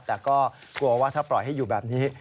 แต่ก็กลัวว่าถ้าปล่อยให้อยู่แบบนี้